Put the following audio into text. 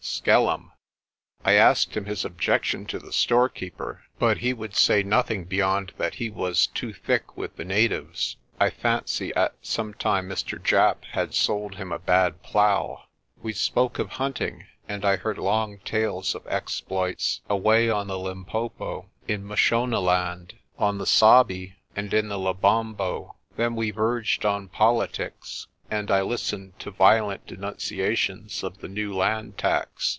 Skelltim! f I asked him his objection to the storekeeper, but he would say nothing beyond that he was too thick with * Baboon. t Schelm = Rascal. MY JOURNEY TO THE WINTER VELD 57 the natives. I fancy at some time Mr. Japp had sold him a bad plough. We spoke of hunting, and I heard long tales of exploits away on the Limpopo, in Mashonaland, on the Sabi and in the Lebombo. Then we verged on politics, and I listened to violent denunciations of the new land tax.